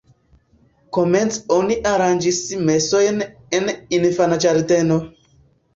Komence oni aranĝis mesojn en infanĝardeno.